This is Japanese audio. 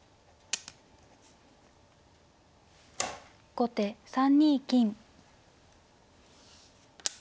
後手３二金。